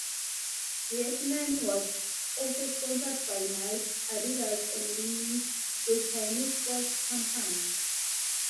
Vietnam was also sponsored by Nike, Adidas and Li-Ning, the Chinese sport company.